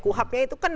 kuhabnya itu kan